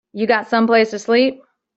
You got someplace to sleep?